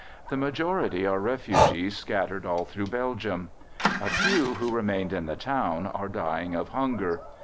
The majority are refugees scattered all through Belgium. A few who remained in the town are dying of hunger.